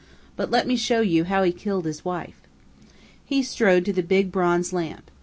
But let me show you how he killed his wife." He strode to the big bronze lamp.